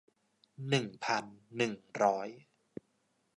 หนึ่งพันหนึ่งร้อย